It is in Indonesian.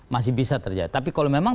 masih bisa terjadi tapi kalau memang